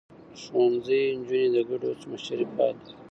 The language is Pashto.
ښوونځی نجونې د ګډو هڅو مشري پالي.